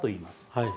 はい。